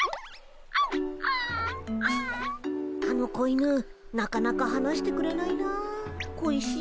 あの子犬なかなかはなしてくれないな小石。